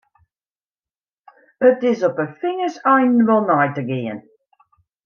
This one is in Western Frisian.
It is op 'e fingerseinen wol nei te gean.